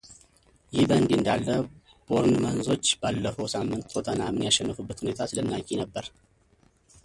ይህ በእንዲህ እንዳለ ቦርንመዞች ባለፈው ሳምንት ቶተነሃምን ያሸነፉበት ሁኔታ አስደናቂ ነበር።